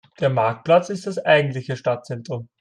Der Marktplatz ist das eigentliche Stadtzentrum.